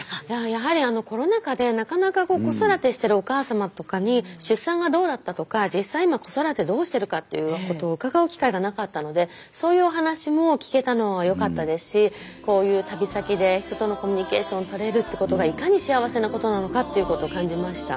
やはりコロナ禍でなかなか子育てしてるお母様とかに出産がどうだったとか実際今子育てどうしてるかっていうことを伺う機会がなかったのでそういうお話も聞けたのはよかったですしこういう旅先で人とのコミュニケーションを取れるっていうことがいかに幸せなことなのかっていうことを感じました。